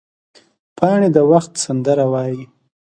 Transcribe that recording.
پاڼې د وخت سندره وایي